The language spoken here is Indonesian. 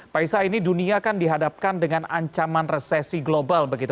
pak isa ini dunia kan dihadapkan dengan ancaman resesi global begitu